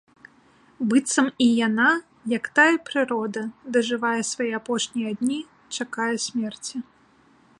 Быццам і яна, як тая прырода, дажывае свае апошнія дні, чакае смерці.